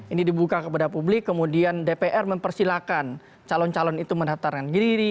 ini dibuka kepada publik kemudian dpr mempersilahkan calon calon itu mendaftarkan diri